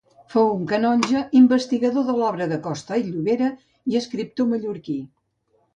Fou un canonge, investigador de l'obra de Costa i Llobera i escriptor mallorquí.